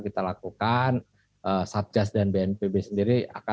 kita lakukan satjas dan bnpb sendiri akan melakukan